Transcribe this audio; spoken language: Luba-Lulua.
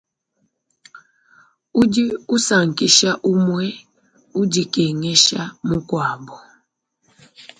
Udi usankisha, umue udikengesha mukuabu.